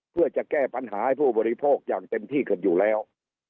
เพื่อจะแก้ปัญหาให้ผู้บริโภคอย่างเต็มที่กันอยู่แล้ว